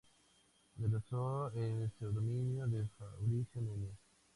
Utilizó el seudónimo de Fabricio Núñez.